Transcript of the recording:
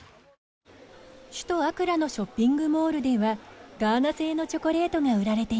首都アクラのショッピングモールではガーナ製のチョコレートが売られています。